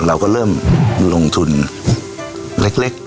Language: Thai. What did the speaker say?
เราก็เริ่มลงทุนเล็ก